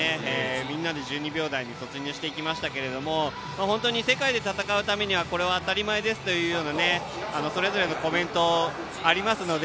みんなで１２秒台に突入していきましたが世界で戦うためにはこれが当たり前ですというそれぞれのコメントがあるので。